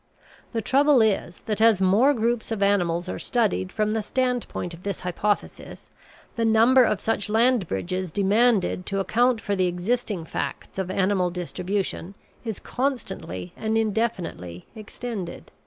The trouble is that as more groups of animals are studied from the standpoint of this hypothesis the number of such land bridges demanded to account for the existing facts of animal distribution is constantly and indefinitely extended.